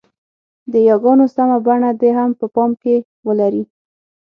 د ی ګانو سمه بڼه دې هم په پام کې ولري.